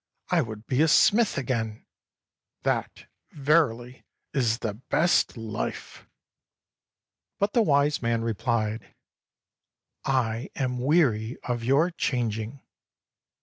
I would be a smith again. That, verily, is the best Hfe." But the wise man replied, "I am weary of your chang ing.